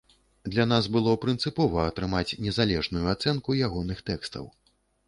Для нас было прынцыпова атрымаць незалежную ацэнку ягоных тэкстаў.